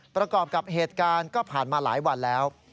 ประกอบกับเหตุการณ์ก็ผ่านมาหลายวันแล้ว